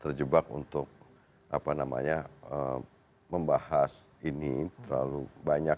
terjebak untuk apa namanya membahas ini terlalu banyak